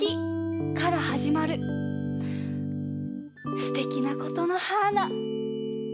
すてきなことのはーな。